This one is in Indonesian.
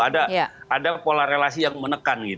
ada pola relasi yang menekan